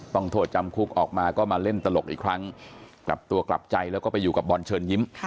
โทษจำคุกออกมาก็มาเล่นตลกอีกครั้งกลับตัวกลับใจแล้วก็ไปอยู่กับบอลเชิญยิ้ม